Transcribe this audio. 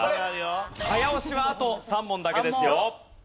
早押しはあと３問だけですよ。